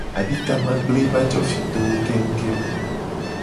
Aditama gble ebe ajofitowo kengukengu.